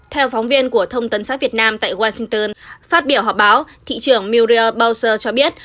theo phóng viên của thông tấn xã việt nam tại washington phát biểu họp báo thị trưởng muriel bowser cho biết